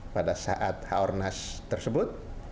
pada saat h o r n a s tersebut